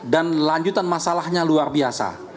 dan lanjutan masalahnya luar biasa